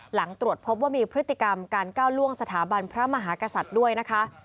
หลังตรวจพบว่ามีพฤติกรรมการก้าวล่วงสถาบันพระมหากษัตริย์ด้วยนะคะ